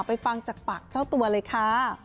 ฟังจากปากเจ้าตัวเลยค่ะ